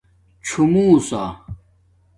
څُݸمُوسݳ